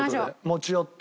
持ち寄って。